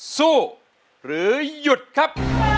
สู้หรือหยุดครับ